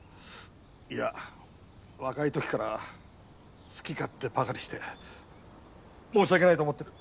いや若いときから好き勝手ばかりして申し訳ないと思ってる。